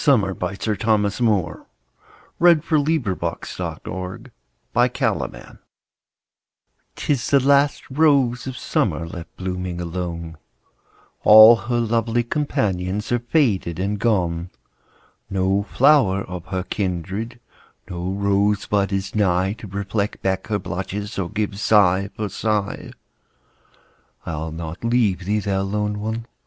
...other Poetry Sites Thomas Moore (1779 1852) 'TIS THE LAST ROSE OF SUMMER 'TIS the last rose of summer, Left blooming alone ; All her lovely companions Are faded and gone ; No flower of her kindred, No rose bud is nigh, To reflect back her blushes, Or give sigh for sigh. I'll not leave thee, thou lone one